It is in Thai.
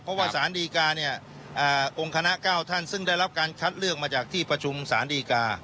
เพราะว่าสารดีกาเนี่ยองค์คณะ๙ท่านซึ่งได้รับการคัดเลือกมาจากที่ประชุมสารดีกา